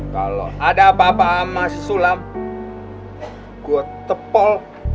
kalau ada apa apa sama si sulam gua tepal